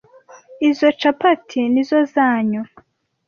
Izoi capeti ni izoanyu?